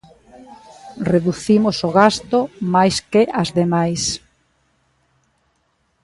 Reducimos o gasto máis que as demais.